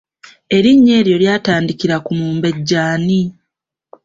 Erinnya eryo lyatandikira ku Mumbejja ani?